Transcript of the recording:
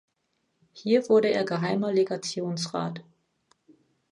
Hier wurde er Geheimer Legationsrat.